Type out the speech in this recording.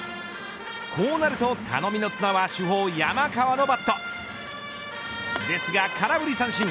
こうなると頼みの綱は主砲、山川のバットですが、空振り三振。